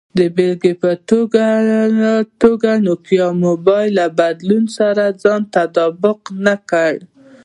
د بېلګې په توګه، نوکیا موبایل له بدلون سره ځان تطابق کې نه کړ.